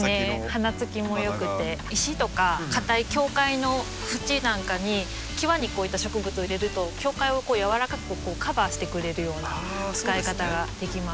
花つきもよくて石とかかたい境界の縁なんかに際にこういった植物を入れると境界をやわらかくカバーしてくれるような使い方ができます。